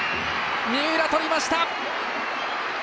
三浦、とりました！